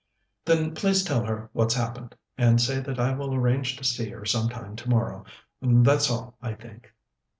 "Then, please tell her what's happened, and say that I will arrange to see her some time tomorrow. That's all, I think."